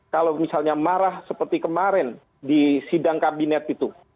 kalau misalnya marah seperti kemarin di sidang kabinet itu